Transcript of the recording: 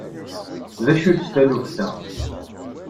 D acu-tt taluft-a?